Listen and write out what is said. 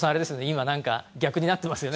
今、逆になってますよね。